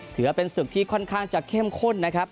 ถือว่าเป็นศึกที่ค่อนข้างจะเข้มข้นนะครับ